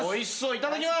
いただきます。